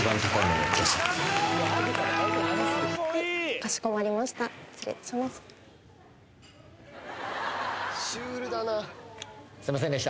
かしこまりました。